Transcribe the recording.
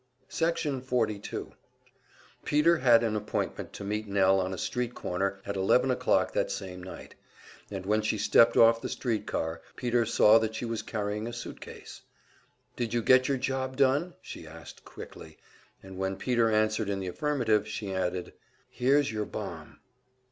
Section 42 Peter had an appointment to meet Nell on a street corner at eleven o'clock that same night, and when she stepped off the street car, Peter saw that she was carrying a suit case. "Did you get your job done?" she asked quickly, and when Peter answered in the affirmative, she added: "Here's your bomb!"